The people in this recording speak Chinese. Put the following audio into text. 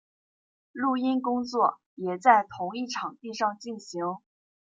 录音工作也在同一场地上进行。